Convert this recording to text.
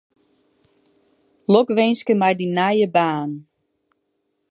Lokwinske mei dyn nije baan.